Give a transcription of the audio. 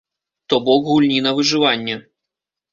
То бок гульні на выжыванне.